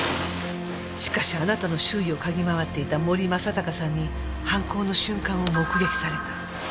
しかしあなたの周囲を嗅ぎ回っていた森正孝さんに犯行の瞬間を目撃された。